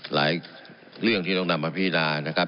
หลายเรื่องที่ต้องนำมาพินานะครับ